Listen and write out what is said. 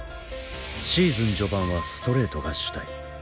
シーズン序盤はストレートが主体。